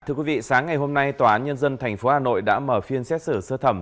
thưa quý vị sáng ngày hôm nay tòa án nhân dân tp hà nội đã mở phiên xét xử sơ thẩm